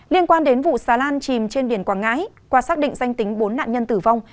liên quan đến vụ xà lan chìm trên biển quảng ngãi qua xác định danh tính bốn nạn nhân tử vong